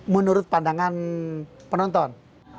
menurut pandangan penonton